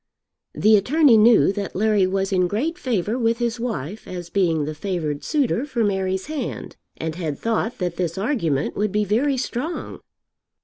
The attorney knew that Larry was in great favour with his wife as being the favoured suitor for Mary's hand, and had thought that this argument would be very strong.